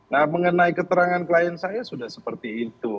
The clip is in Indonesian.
nah mengenai keterangan klien saya sudah seperti itu